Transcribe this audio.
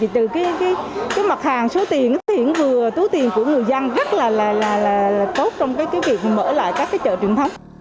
từ cái mặt hàng số tiền tiền vừa tú tiền của người dân rất là tốt trong cái việc mở lại các chợ truyền thống